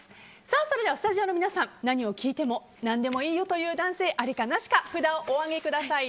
それではスタジオの皆さん何を聞いても何でもいいよと言う男性、ありかなしか札をお上げください。